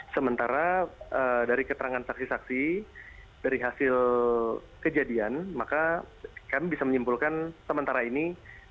sementara dari keterangan saksi saksi dari hasil kejadian maka kami bisa menyimpulkan sementara ini